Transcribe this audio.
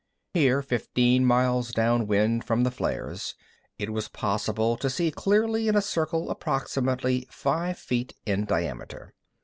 Here, fifteen miles down wind from the flares, it was possible to see clearly in a circle approximately five feet in diameter.